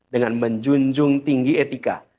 dengan menjunjung tinggi etika